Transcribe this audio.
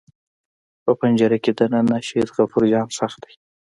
په پنجره کې دننه شهید غفور جان ښخ دی.